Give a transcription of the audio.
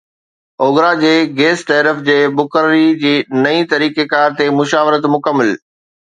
OGRA جي gas tariff جي مقرري جي نئين طريقيڪار تي مشاورت مڪمل